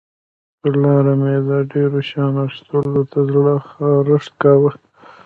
پر لاره مې د ډېرو شیانو اخیستلو ته زړه خارښت کاوه.